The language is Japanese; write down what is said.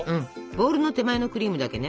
ボウルの手前のクリームだけね